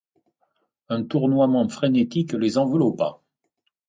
Un tournoiement frénétique les enveloppa.